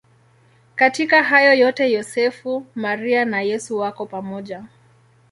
Katika hayo yote Yosefu, Maria na Yesu wako pamoja.